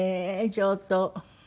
上等。